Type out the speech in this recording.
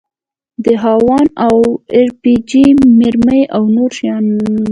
د هاوان او ار پي جي مرمۍ او نور شيان ږدو.